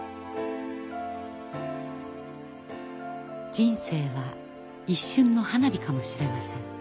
人生は一瞬の花火かもしれません。